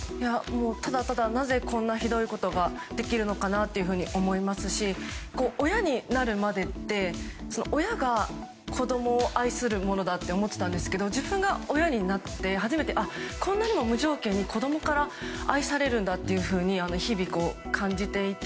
ただただ、なぜこんなひどいことができるのかなというふうに思いますし、親になるまでって親が子供を愛するものだって思っていたんですけど自分が親になって初めてこんなにも無条件に子供から愛されるんだと日々、感じていて。